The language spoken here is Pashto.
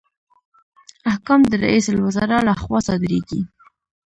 احکام د رئیس الوزرا لخوا صادریږي